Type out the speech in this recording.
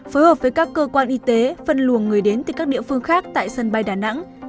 phối hợp với các cơ quan y tế phân luồng người đến từ các địa phương khác tại sân bay đà nẵng